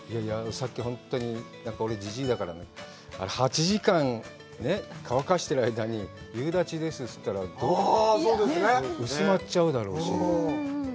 さっき本当に俺、じじいだから、８時間ね、乾かしてる間に夕立ですっていったら、薄まっちゃうだろうし。